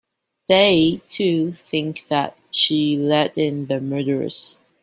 They, too, think that she let in the murderers.